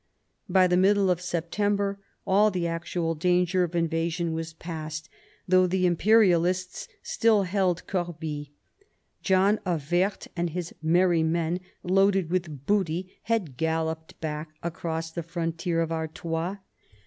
By the middle of September, all the actual danger of invasion was past, though the Imperialists still held Corbie. John of Werth and his merry men, loaded with booty, had galloped back across the frontier of Artois.